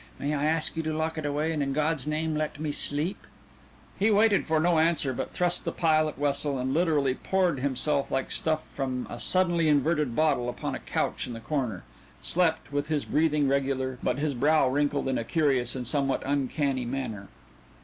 May I ask you to lock it away, and in God's name let me sleep?" He waited for no answer, but thrust the pile at Wessel, and literally poured himself like stuff from a suddenly inverted bottle upon a couch in the corner; slept, with his breathing regular, but his brow wrinkled in a curious and somewhat uncanny manner.